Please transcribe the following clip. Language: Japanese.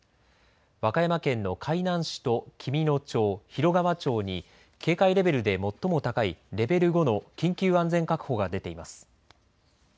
和歌山県の海南市と紀美野町、広川町に警戒レベルで最も高いレベル５の緊急安全確保が出ています。